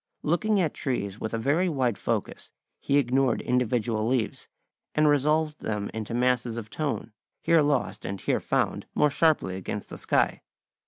Looking at trees with a very wide focus, he ignored individual leaves, and resolved them into masses of tone, here lost and here found more sharply against the sky.